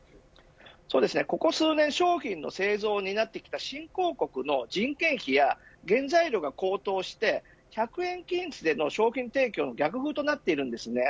ここ数年、商品の製造をになってきた新興国の人件費や原材料が高騰して１００円均一での商品提供に逆風となっています。